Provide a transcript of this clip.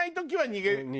逃げる？